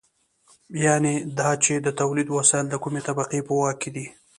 یانې دا چې د تولید وسایل د کومې طبقې په واک کې دي.